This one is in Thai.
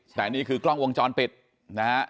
แต่นี่คือกล้องวงจรปิดนะฮะ